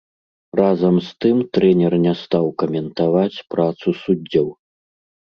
Разам з тым трэнер не стаў каментаваць працу суддзяў.